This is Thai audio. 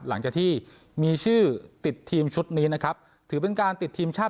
หลังจากที่มีชื่อติดทีมชุดนี้นะครับถือเป็นการติดทีมชาติ